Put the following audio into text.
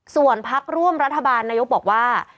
ส่วนพักร่วมรัฐบาลนายกบอกว่า